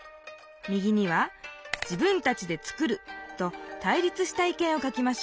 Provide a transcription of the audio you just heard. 右には「自分たちで作る」と対立した意見を書きましょう。